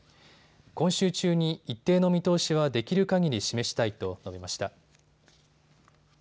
今週中に一定の見通しはできるかぎり示したいと述べました。